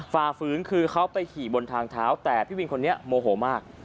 ฝ่าฝืนคือเขาไปขี่บนทางเท้าแต่พี่วินคนนี้โมโหมาก